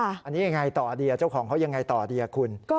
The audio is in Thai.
อันนี้ยังไงต่อดีเจ้าของเขายังไงต่อดีคุณ